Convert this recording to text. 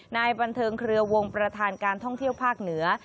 นายบันเทิงเครือวงประธานการท่องเที่ยวภาคเหนือ